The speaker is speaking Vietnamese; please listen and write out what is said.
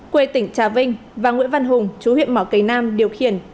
quê tỉnh trà vinh và nguyễn văn hùng chú huyện mỏ cầy nam điều khiển